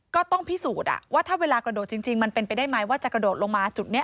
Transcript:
ก็ต้องพิสูจน์ว่าถ้าเวลากระโดดจริงมันเป็นไปได้ไหมว่าจะกระโดดลงมาจุดนี้